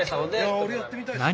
あれやってみたいですね。